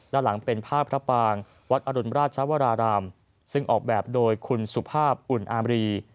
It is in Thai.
ด้านหลังเป็นภาพพระปางวัดอรุณราชวรารามซึ่งออกแบบโดยคุณสุภาพอุ่นอามรี